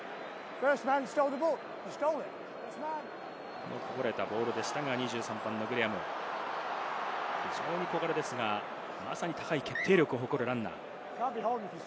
このこぼれたボールでしたが、２３番・グレアム、非常に小柄ですが、高い決定力を誇るランナー。